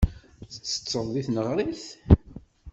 Tettetteḍ deg tneɣrit?